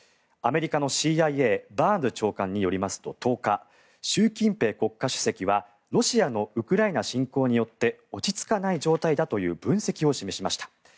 アメリカのＣＩＡバーンズ長官によりますと１０日習近平国家主席はロシアのウクライナ侵攻によって落ち着かない状態だという分析を示しました。